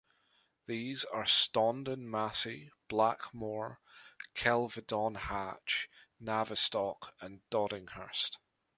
These are Stondon Massey, Blackmore, Kelvedon Hatch, Navestock and Doddinghurst.